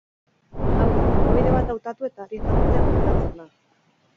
Hau da, jokabide bat hautatu eta hari jarraitzea gomendatzen da.